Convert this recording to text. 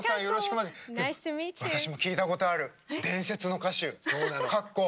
私も聞いたことある伝説の歌手ＫＡＫＫＯ。